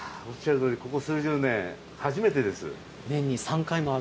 いやー、おっしゃるとおり、ここ数十年、初めてです。